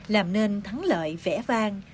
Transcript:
làm nên thắng lợi vẻ vang